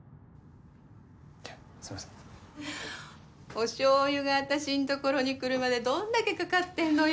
おしょうゆが私のところに来るまでどんだけかかってんのよ。